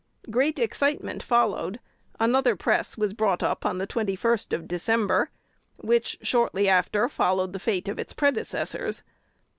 Great excitement followed: another press was brought up on the 21st of September, which shortly after followed the fate of its predecessors.